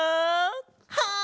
はい！